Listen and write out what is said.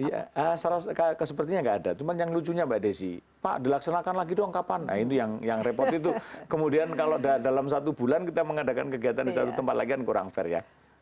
iya sepertinya nggak ada cuma yang lucunya mbak desi pak dilaksanakan lagi dong kapan nah itu yang repot itu kemudian kalau dalam satu bulan kita mengadakan kegiatan di satu tempat lagi kan kurang fair ya